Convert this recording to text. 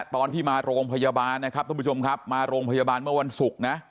ตอนที่มาโรงพยาบาลนะครับทุกผู้ชมครับมาโรงพยาบาลเมื่อวันศุกร์นะ